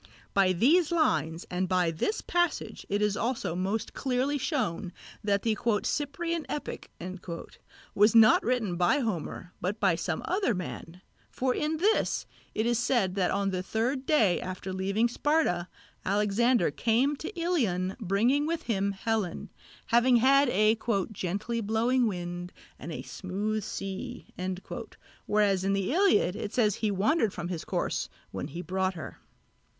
By these lines and by this passage it is also most clearly shown that the "Cyprian Epic" was not written by Homer but by some other man: for in this it is said that on the third day after leaving Sparta Alexander came to Ilion bringing with him Helen, having had a "gently blowing wind and a smooth sea," whereas in the Iliad it says that he wandered from his course when he brought her.